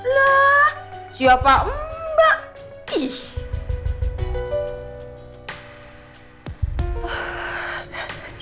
lah siapa mbak